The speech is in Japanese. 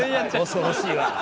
恐ろしいわ。